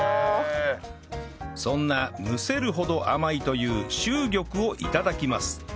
そんなむせるほど甘いという秀玉をいただきます